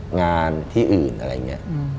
งานที่อื่นอะไรอย่างนี้